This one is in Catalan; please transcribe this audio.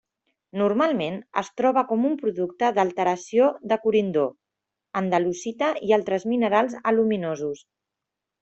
Normalment es troba com un producte de l'alteració de corindó, andalusita i altres minerals aluminosos.